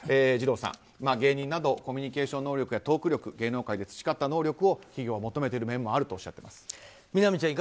二郎さん、芸人などコミュニケーション能力やトーク力芸能界で培った能力を企業は求めている面もあるとおっしゃってます。